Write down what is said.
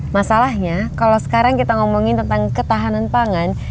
masalahnya kalau sekarang kita ngomongin tentang ketahanan pangan